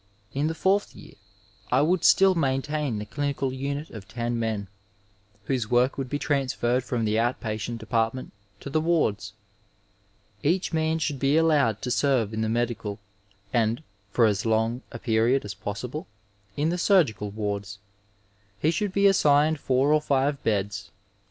Li the fourth year I would still maintain the clinical unit of ten men, whose work would be transferred from the out patient department to the wards. Each man should be allowed to serve in the medical, and, for as long a period as possible, in the surgical wards. He should be assigned four or five beds.